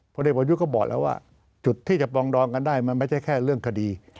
เด็กประยุทธ์ก็บอกแล้วว่าจุดที่จะปรองดองกันได้มันไม่ใช่แค่เรื่องคดี